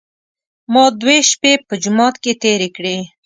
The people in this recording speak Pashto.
ما دوې شپې په جومات کې تېرې کړې.